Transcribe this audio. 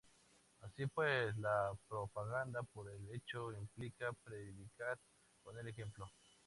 Así pues, la propaganda por el hecho implica predicar con el ejemplo.